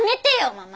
ママ！